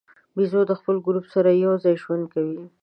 بیزو د خپل ګروپ سره یو ځای ژوند کوي.